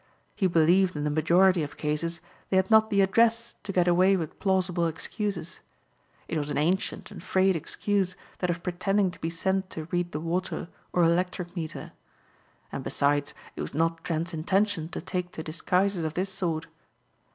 He believed in the majority of cases they had not the address to get away with plausible excuses. It was an ancient and frayed excuse, that of pretending to be sent to read the water or electric meter. And besides, it was not Trent's intention to take to disguises of this sort.